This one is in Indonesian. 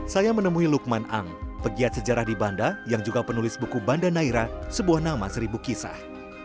saya menemui lukman ang pegiat sejarah di banda yang juga penulis buku banda naira sebuah nama seribu kisah